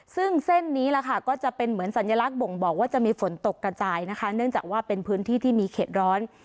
ซึ่งเส้นนี้ล่ะค่ะก็จะเป็นเหมือนสัญลักษณ์บ่งบอกว่าจะมีฝนตกกระจายนะคะเนื่องจากว่าเป็นพื้นที่ที่มีเข็ดร้อน